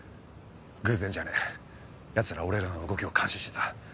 偶然じゃねえヤツらは俺らの動きを監視してた。